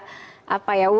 kalau kita lihat